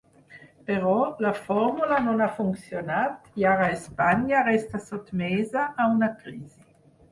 Però la fórmula no ha funcionat i ara Espanya resta sotmesa a una crisi.